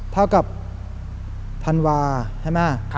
เท่ากับธันวาใช่ไหม